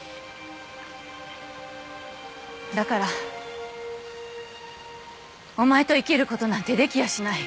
だからお前と生きることなんてできやしない。